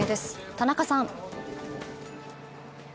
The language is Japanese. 田中さん。